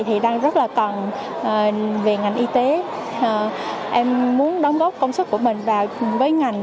thì đang rất là cần về ngành y tế em muốn đóng góp công sức của mình vào với ngành